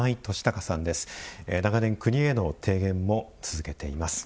長年国への提言も続けています。